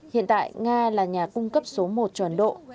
hiện tại nga là nhà cung cấp số một tròn độ